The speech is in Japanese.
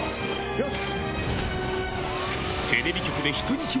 よし！